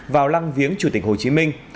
vào lăng viếng chủ tịch hồ chí minh